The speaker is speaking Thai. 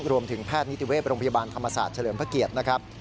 แพทย์นิติเวศโรงพยาบาลธรรมศาสตร์เฉลิมพระเกียรตินะครับ